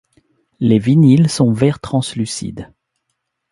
Les vinyles sont vert translucide.